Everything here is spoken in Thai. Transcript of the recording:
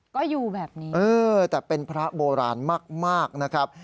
ก็อยู่แบบนี้เออแต่เป็นพระโบราณมากนะครับ